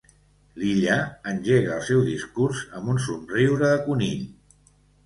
L'Illa engega el seu discurs amb un somriure de conill.